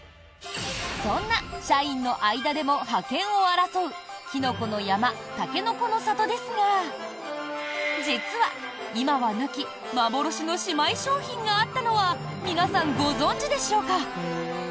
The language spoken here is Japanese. そんな社員の間でも覇権を争うきのこの山、たけのこの里ですが実は今はなき幻の姉妹商品があったのは皆さんご存知でしょうか？